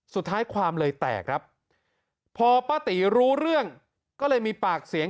สุดท้ายความเลยแตกครับพอป้าตีรู้เรื่องก็เลยมีปากเสียง